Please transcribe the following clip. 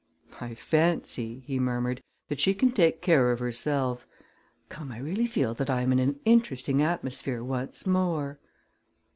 "I fancy," he murmured, "that she can take care of herself. Come, I really feel that I am in an interesting atmosphere once more."